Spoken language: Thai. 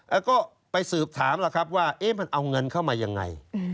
แล้วก็ไปสืบถามว่ามันเอาเงินเข้ามาอย่างไร